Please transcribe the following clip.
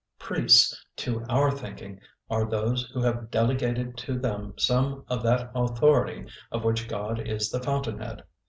Priests, to our thinking, are those who have delegated to them some of that authority of which God is the fountainhead.